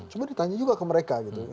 cuma ditanya juga ke mereka gitu